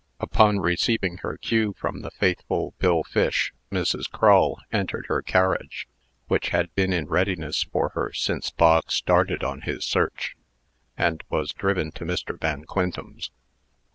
Upon receiving her cue from the faithful Bill Fish, Mrs. Crull entered her carriage (which had been in readiness for her since Bog started out on his search), and was driven to Mr. Van Quintem's.